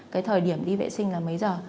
cái thời điểm đi vệ sinh là mấy giờ